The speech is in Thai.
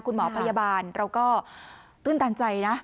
คุณหมอพยาบาลเราก็ตื้นตันใจนะ